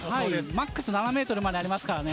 マックス７ｍまであります。